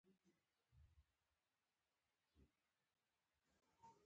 لیکوال یې برید جنرال لیونید سوبولیف دی.